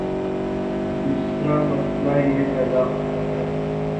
دوسرا مألہ یہ پیدا ہوتا ہے